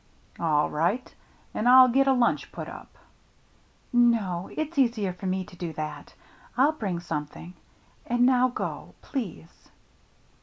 "All right. And I'll get a lunch put up." "No — it's easier for me to do that. I'll bring something. And now go — please."